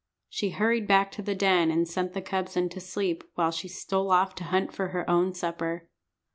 She hurried back to the den and sent the cubs in to sleep, while she stole off to hunt for her own supper.